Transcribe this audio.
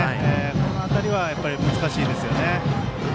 この辺りは難しいですよね。